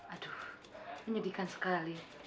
aduh menyedihkan sekali